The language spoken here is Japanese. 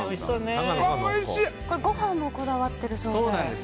ご飯もこだわっているそうで？